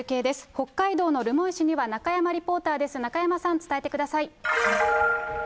北海道の留萌市には中山リポーターです、中山さん、伝えてください。